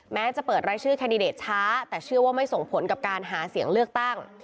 แม้จะเปิดรายชื่อแคนดิเดตช้าแต่เชื่อว่าไม่ส่งผลกับการหาเสียงเลือกตั้ง